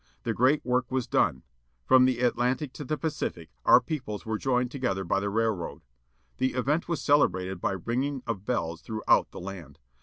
The great work was done. From the Atlantic to the Pacific our peoples were joined together by the railroad. The event was celebrated by ringing of bells throughout the land.